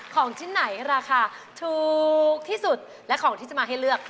ของชิ้นไหนราคาถูกที่สุดและของที่จะมาให้เลือก